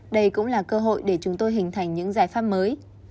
đây cũng là cơ hội để chúng tôi hình thành những giải pháp mới